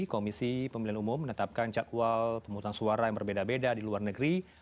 komisi pemilihan umum menetapkan jadwal pemutusan suara yang berbeda beda di luar negeri